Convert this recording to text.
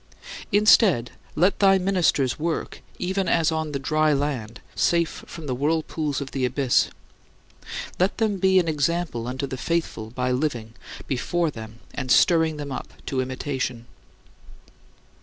Instead, let thy ministers work even as on "the dry land," safe from the whirlpools of the abyss. Let them be an example unto the faithful by living before them and stirring them up to imitation.